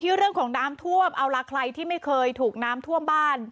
เรื่องของน้ำท่วมเอาล่ะใครที่ไม่เคยถูกน้ำท่วมบ้าน